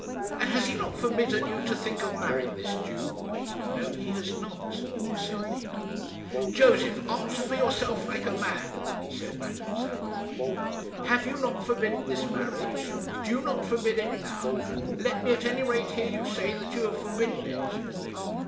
"And has he not forbidden you to think of marrying this Jew?" "No, he has not," said Nina. "Josef, answer for yourself like a man," said Madame Zamenoy. "Have you not forbidden this marriage? Do you not forbid it now? Let me at any rate hear you say that you have forbidden it."